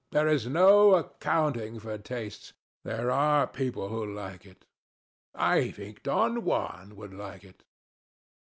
There is no accounting for tastes: there are people who like it. I think Don Juan would like it.